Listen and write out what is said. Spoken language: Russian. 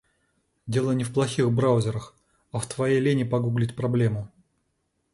Дело не в плохих браузерах, а в твоей лени погуглить проблему.